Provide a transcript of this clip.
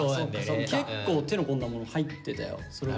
結構手の込んだもの入ってたよ。